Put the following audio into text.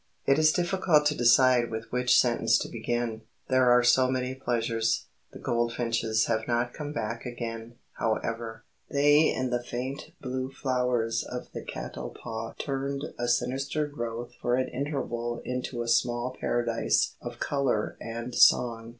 It is difficult to decide with which sentence to begin. There are so many pleasures. The goldfinches have not come back again, however. They and the faint blue flowers of the catalpa turned a sinister growth for an interval into a small Paradise of colour and song.